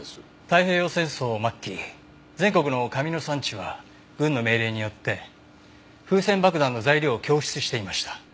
太平洋戦争末期全国の紙の産地は軍の命令によって風船爆弾の材料を供出していました。